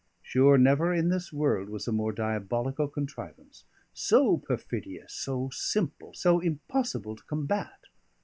Sure, never in this world was a more diabolical contrivance: so perfidious, so simple, so impossible to combat.